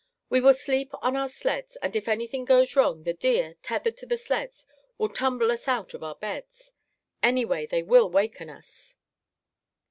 We will sleep on our sleds and if anything goes wrong, the deer, tethered to the sleds, will tumble us out of our beds. Anyway, they will waken us."